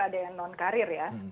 ada yang non karir ya